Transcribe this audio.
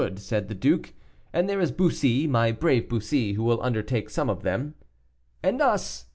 said the duke; "and there is Bussy, my brave Bussy, who will undertake some of them." "And us!"